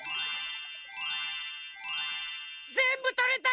ぜんぶとれた！